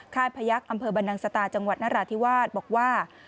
ค่ายพยักษ์อำเภอบรรนังสตาจังหวัดนราธิวาสบอกว่า